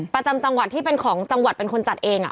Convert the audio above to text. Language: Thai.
ประจำจังหวัดที่เป็นของจังหวัดเป็นคนจัดเอง